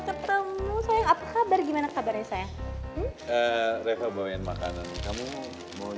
ketemu sayang apa kabar gimana kabarnya sayang reva bawa makanan kamu mau nyuruh